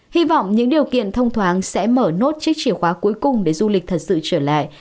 hy vọng những điều kiện thông thoáng sẽ mở nốt chiếc chìa khóa cuối cùng để du lịch thật sự trở lại